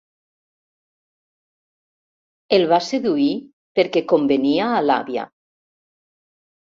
El va seduir perquè convenia a l'àvia.